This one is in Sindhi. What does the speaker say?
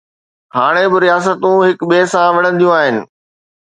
هاڻي ٻه رياستون هڪ ٻئي سان وڙهنديون آهن.